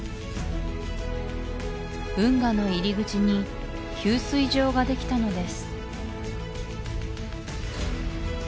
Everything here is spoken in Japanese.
運河の入り口に給水場ができたのです